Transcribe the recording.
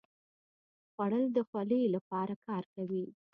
خوړل د خولې لپاره کار کوي